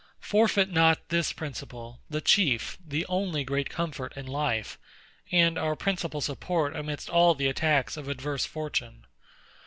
Forfeit not this principle, the chief, the only great comfort in life; and our principal support amidst all the attacks of adverse fortune.